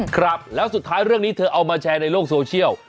ครับแล้วสุดท้ายเรื่องนี้เธอเอามาแชร์ในโลกโซเชียล